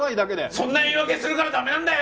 そんな言い訳するからダメなんだよ！